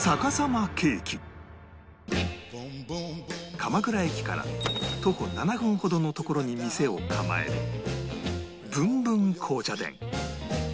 鎌倉駅から徒歩７分ほどの所に店を構えるブンブン紅茶店